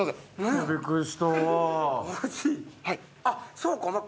あっそうか。